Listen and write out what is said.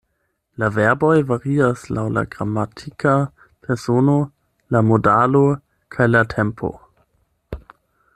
La verboj varias laŭ la gramatika persono, la modalo kaj la tempo.